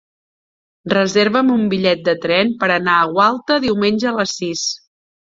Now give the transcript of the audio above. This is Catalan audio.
Reserva'm un bitllet de tren per anar a Gualta diumenge a les sis.